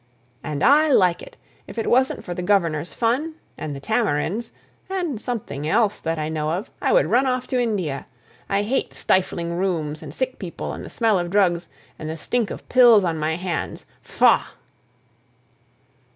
"And I like it. If it wasn't for the governor's fun, and the tamarinds, and something else that I know of, I would run off to India. I hate stifling rooms, and sick people, and the smell of drugs, and the stink of pills on my hands; faugh!"